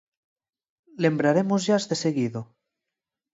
Lembrarémosllas deseguido.